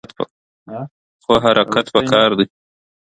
خو حرکت پکار دی.